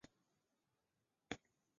刘图南为武进西营刘氏第十五世。